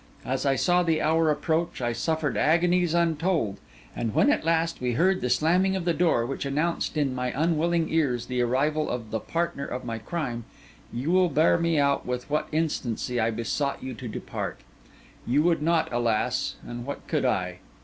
As I saw the hour approach, I suffered agonies untold; and when, at last, we heard the slamming of the door which announced in my unwilling ears the arrival of the partner of my crime, you will bear me out with what instancy I besought you to depart. You would not, alas! and what could I?